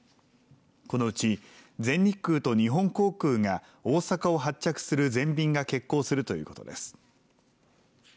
このうち全日空と日本航空が大阪を発着する全便が欠航するということです。